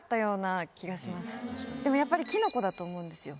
でもやっぱりキノコだと思うんですよ。